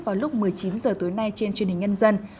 vào lúc một mươi chín h tối nay trên truyền hình nhân dân